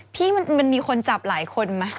พี่มันมีคนจับหลายคนไหม